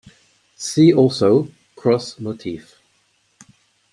See also: Cross motif.